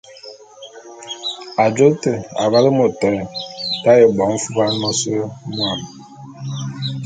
Ajô te, avale môt éte d’aye bo mfuban môs mwuam.